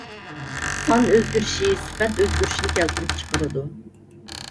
سان ئۆزگىرىشى سۈپەت ئۆزگىرىشىنى كەلتۈرۈپ چىقىرىدۇ.